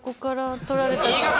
とられた。